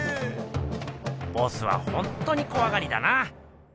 ボスはほんとにこわがりだな！